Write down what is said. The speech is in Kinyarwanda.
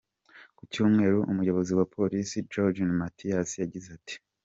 Ku Cyumweru, umuyobozi wa polisi, Juergen Mathies, yagize ati:.